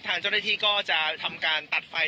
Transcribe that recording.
ทางเจ้าหน้าที่ก็จะทำการตัดไฟ